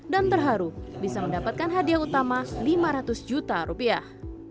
dan terharu bisa mendapatkan hadiah utama lima ratus juta rupiah